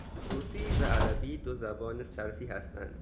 روسی و عربی دو زبان صرفی هستند.